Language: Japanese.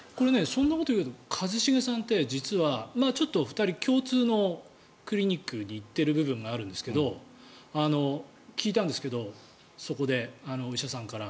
そんなことを言うけど一茂さんって実は２人、共通のクリニックに行ってる部分があるんですけど聞いたんですけどそこでお医者さんから。